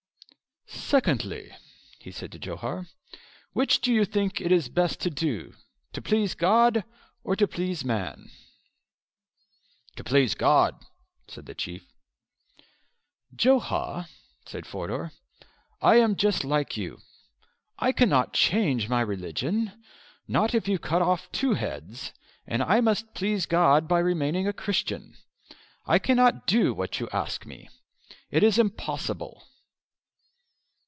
"Secondly," he said to Johar, "which do you think it best to do, to please God or to please man?" "To please God," said the Chief. "Johar," said Forder, "I am just like you; I cannot change my religion, not if you cut off two heads; and I must please God by remaining a Christian.... I cannot do what you ask me. It is impossible."